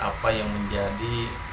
apa yang menjadi